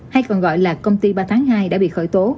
hay còn gọi là công ty ba tháng hai đã bị khởi tố